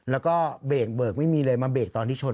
แล้วก็เบรกเบิกไม่มีเลยมาเบรกตอนที่ชน